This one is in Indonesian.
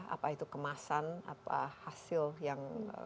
apa itu kemasan apa hasil yang